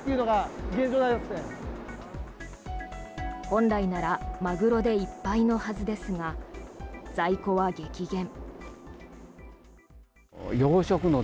本来ならマグロでいっぱいのはずですが在庫は激減。